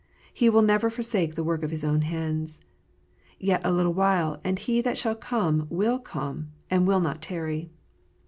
He will never forsake the work of His own hands. " Yet a little while, and He that shall come will come, and will not tarry."